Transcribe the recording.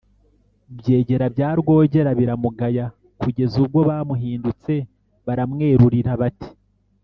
ibyegera bya rwogera biramugaya, kugeza ubwo bamuhindutse baramwerurira, bati: